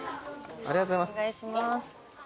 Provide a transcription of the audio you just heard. ありがとうございます。